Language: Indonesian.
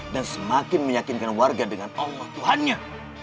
dan semakin meyakinkan warga dengan allah tuhannya